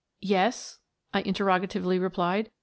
"Yes?" I interrogatively replied.